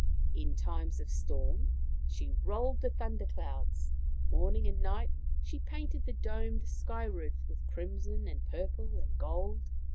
In times of storm she rolled the thunder clouds; morning and night she painted the domed sky roof with crimson and purple and gold.